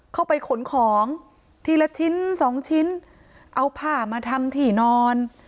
ขนของทีละชิ้นสองชิ้นเอาผ้ามาทำที่นอน